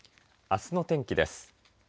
あすの天気です。